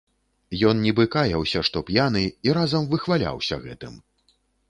Ён нібы каяўся, што п'яны, і разам выхваляўся гэтым.